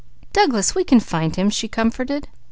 "Douglas, we can find him!" she comforted.